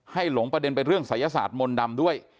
หลงประเด็นไปเรื่องศัยศาสตร์มนต์ดำด้วย